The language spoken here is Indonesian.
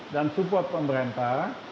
dan support pemerintah